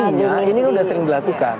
artinya ini udah sering dilakukan